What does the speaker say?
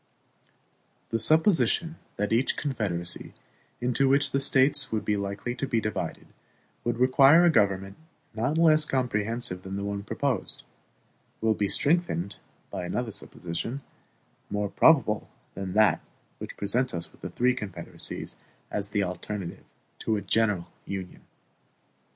The supposition that each confederacy into which the States would be likely to be divided would require a government not less comprehensive than the one proposed, will be strengthened by another supposition, more probable than that which presents us with three confederacies as the alternative to a general Union.